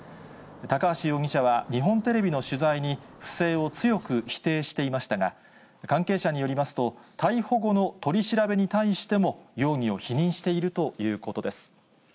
高橋容疑者は、日本テレビの取材に不正を強く否定していましたが、関係者によりますと、逮捕後の取り調べに対しても、容疑を否認しているということです。